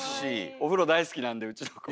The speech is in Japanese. お風呂大好きなんでうちの子。